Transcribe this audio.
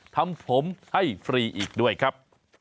ทำผมให้ฟรีอีกด้วยครับ